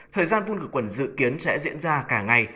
thời gian phun khử quần dự kiến sẽ diễn ra cả ngày